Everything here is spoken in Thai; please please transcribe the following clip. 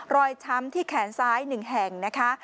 ช้ำที่แขนซ้าย๑แห่งนะคะ